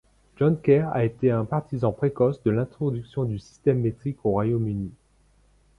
John Kerr a été un partisan précoce de l'introduction du système métrique au Royaume-uni.